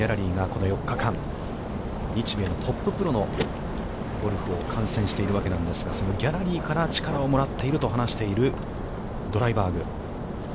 この４日間、日米のトッププロのゴルフを観戦しているわけなんですが、そのギャラリーから力もらっていると話している、ドライバーグ。